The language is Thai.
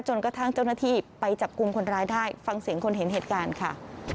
จนกระทั่งเจ้าหน้าที่ไปจับกลุ่มคนร้ายได้ฟังเสียงคนเห็นเหตุการณ์ค่ะ